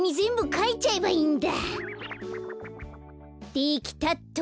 できたっと。